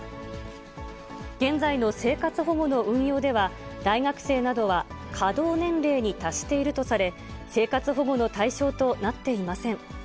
現在の生活保護の運用では、大学生などは稼働年齢に達しているとされ、生活保護の対象となっていません。